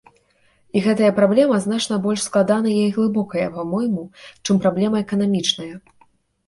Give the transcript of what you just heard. І гэтая праблема значна больш складаная і глыбокая, па-мойму, чым праблема эканамічная.